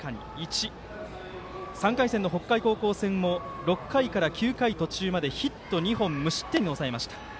３回戦の北海高校戦も６回から９回途中までヒット２本無失点に抑えました。